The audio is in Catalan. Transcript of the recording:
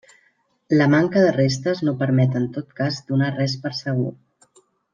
La manca de restes no permet en tot cas donar res per segur.